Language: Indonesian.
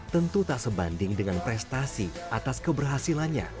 tentu tak sebanding dengan prestasi atas keberhasilannya